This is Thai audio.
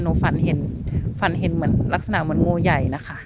หนูฝันเห็นเหมือนลักษณะเหมือนโง่ใหญ่นะคะ